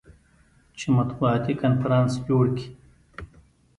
چې مطبوعاتي کنفرانس جوړ کي.